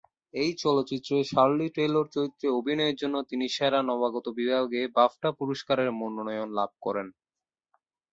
এই চলচ্চিত্রে Shirley Taylor চরিত্রে অভিনয়ের জন্য তিনি সেরা নবাগত বিভাগে বাফটা পুরস্কারের মনোনয়ন লাভ করেন।